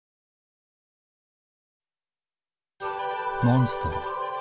モンストロ。